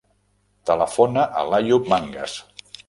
Telefona a l'Àyoub Mangas.